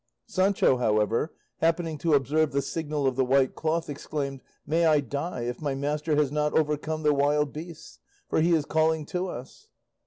Sancho, however, happening to observe the signal of the white cloth, exclaimed, "May I die, if my master has not overcome the wild beasts, for he is calling to us."